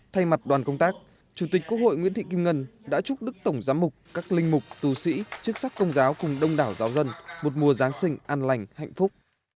thay mặt đoàn công tác chủ tịch quốc hội nguyễn thị kim ngân đã chúc đức tổng giám mục các linh mục tù sĩ chức sắc công giáo cùng đông đảo giáo dân một mùa giáng sinh an lành hạnh phúc